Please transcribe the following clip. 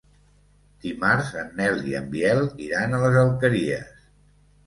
Dimarts en Nel i en Biel iran a les Alqueries.